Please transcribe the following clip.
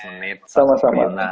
lima belas menit sama sama